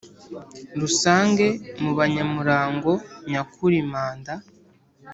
Rusange mu banyamurango nyakuri Manda